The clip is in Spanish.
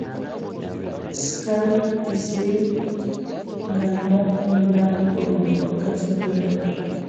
Scar Tissue ganó un Grammy por la mejor canción de rock.